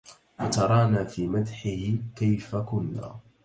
وترانا في مدحهِ كيف كنّا